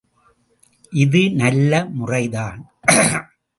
இது நல்ல முறைதான்.